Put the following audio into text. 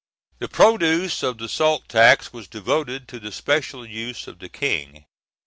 The produce of the salt tax was devoted to the special use of the King.